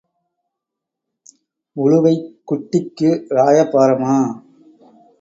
உளுவைக் குட்டிக்கு ராய பாரமா?